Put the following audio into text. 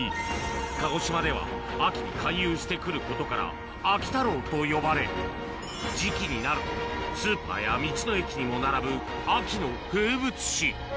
鹿児島では秋に回遊してくることから、秋太郎と呼ばれ、時期になると、スーパーや道の駅にも並ぶ秋の風物詩。